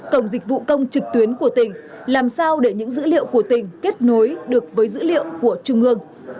cổng dịch vụ công trực tuyến của tỉnh làm sao để những dữ liệu của tỉnh kết nối được với dữ liệu của trung ương